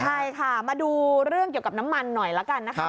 ใช่ค่ะมาดูเรื่องเกี่ยวกับน้ำมันหน่อยละกันนะคะ